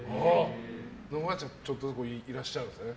ちょっとずついらっしゃるんですね。